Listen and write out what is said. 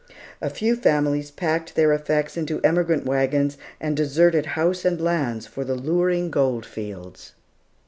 A few families packed their effects into emigrant wagons and deserted house and lands for the luring gold fields.